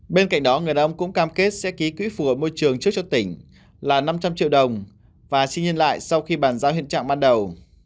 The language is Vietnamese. bên cạnh đó người đàn ông cũng cam kết sẽ ký quỹ phù hợp môi trường trước cho tỉnh là năm trăm linh triệu đồng và xin nhân lại sau khi bàn giao hiện trạng ban đầu